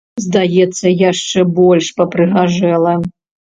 Здаецца, яшчэ больш папрыгажэла.